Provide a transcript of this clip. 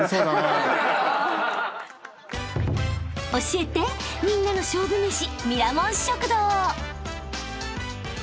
［教えてみんなの勝負めし］